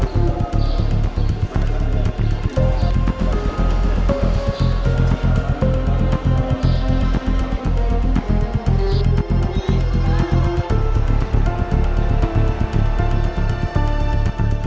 di rantau bagar